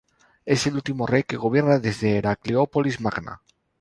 Es el último rey que gobierna desde Heracleópolis Magna.